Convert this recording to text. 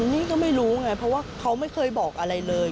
นี่ก็ไม่รู้ไงเพราะว่าเขาไม่เคยบอกอะไรเลย